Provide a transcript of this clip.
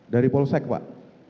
dari polsek pak